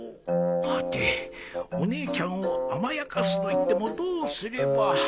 はてお姉ちゃんを甘やかすといってもどうすれば